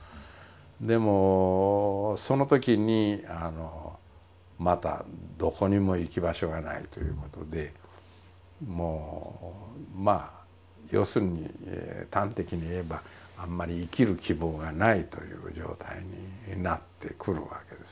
でもそのときにまたどこにも行き場所がないということでもうまあ要するに端的に言えばあんまり生きる希望がないという状態になってくるわけですね。